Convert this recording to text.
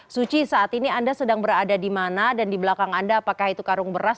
suci saat ini anda sedang berada di mana dan di belakang anda apakah itu karung beras